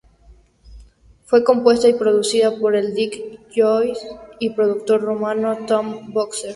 Fue compuesta y producida por el "disc jockey" y productor rumano, Tom Boxer.